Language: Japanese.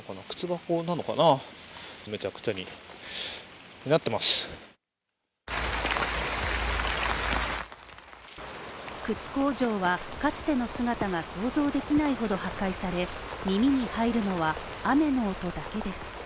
靴工場はかつての姿が想像できないほど破壊され耳に入るのは、雨の音だけです。